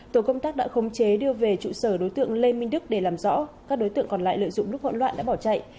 tổ công tác đã khống chế đưa về trụ sở đối tượng lê minh đức để làm rõ các đối tượng còn lại lợi dụng lúc hỗn loạn đã bỏ chạy